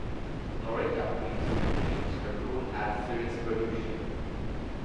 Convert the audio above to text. Loretta Preece continues her role as series producer.